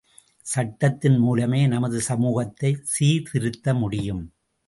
சட்டத்தின் மூலமே நமது சமூகத்தை சீர்திருத்த முடியும்.